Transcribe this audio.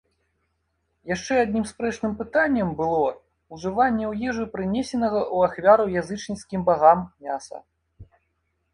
Яшчэ аднім спрэчным пытаннем было ўжыванне ў ежу прынесенага ў ахвяру язычніцкім багам мяса.